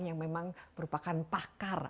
yang memang merupakan pakar